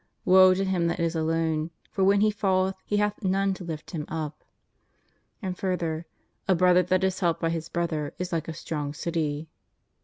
Woe to him that is alone, for when he falleth he hath none to lift him up} And further: A brother that is helped by his brother is like a strong dty.